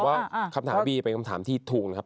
ว่าคำถามบีเป็นคำถามที่ถูกนะครับ